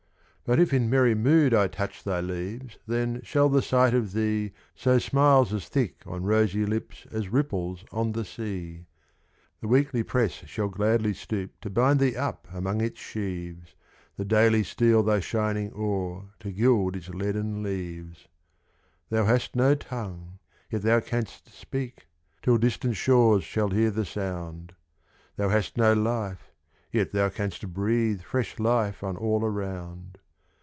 But if in merry mood I touch Thy leaves, then shall the sight of thee Sow smiles as thick on rosy lips As ripples on the sea. The Weekly press shall gladly stoop To bind thee up among its sheaves; The Daily steal thy shining ore, To gild its leaden leaves. Thou hast no tongue, yet thou canst speak, Till distant shores shall hear the sound; Thou hast no life, yet thou canst breathe Fresh life on all around.